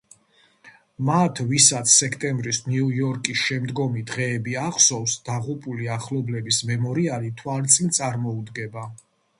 მათ ვისაც სექტემბრის ნიუ-იორკის შემდგომი დღეები ახსოვს, დაღუპული ახლობლების მემორიალი თვალწინ წარმოუდგება.